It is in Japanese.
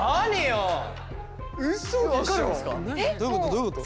どういうこと？